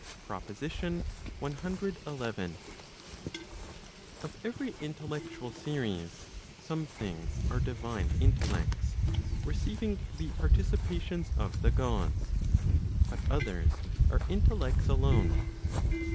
PROPOSITION CXI. Of every intellectual series, some things are divine intellects, receiving the participations of the Gods; but others are intellects alone.